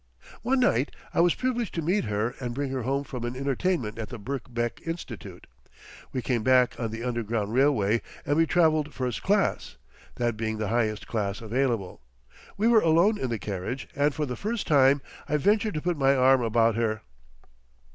One night I was privileged to meet her and bring her home from an entertainment at the Birkbeck Institute. We came back on the underground railway and we travelled first class—that being the highest class available. We were alone in the carriage, and for the first time I ventured to put my arm about her.